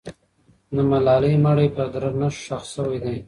د ملالۍ مړی په درنښت ښخ سوی دی.